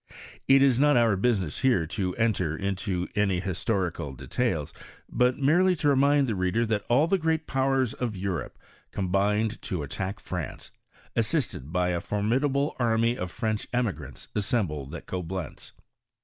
It is not our business here to enter into any historical details, but merely to remind the reader that all the g reat powers of Europe combined to attack France, as listed by a formidable army of French emigrants assembled at Cobleotz.